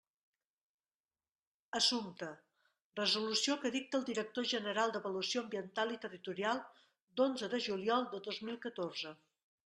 Assumpte: resolució que dicta el director general d'Avaluació Ambiental i Territorial, d'onze de juliol de dos mil catorze.